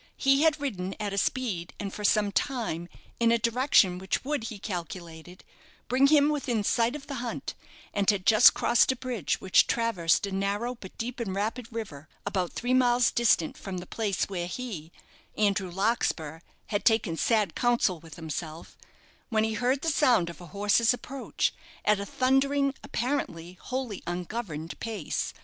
He had ridden at a speed, and for some time in a direction which would, he calculated, bring him within sight of the hunt, and had just crossed a bridge which traversed a narrow but deep and rapid river, about three miles distant from the place where he Andrew Larkspur had taken sad counsel with himself, when he heard the sound of a horse's approach, at a thundering, apparently wholly ungoverned pace.